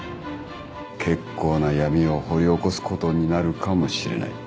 結構な闇を掘り起こすことになるかもしれない。